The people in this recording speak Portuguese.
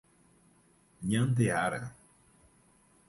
Nhandeara